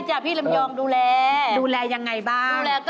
ถามพี่หน่อยที่เขาหูตึงนี่